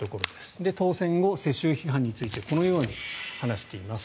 当選後、世襲批判についてこのように話しています。